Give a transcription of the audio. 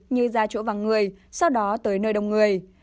như ra chỗ và người sau đó tới nơi đông người